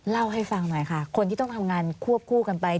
เล่าให้ฟังหน่อยค่ะคนที่ต้องทำงานควบคู่กันไป